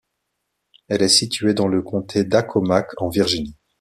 Elle est située dans le comté d'Accomack, en Virginie.